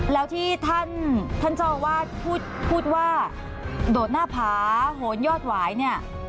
แล้วที่ท่านเจ้าอาวาสพูดว่าโดดหน้าผาโหนยอดหวายเนี่ย